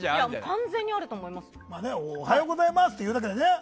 完全にあると思います。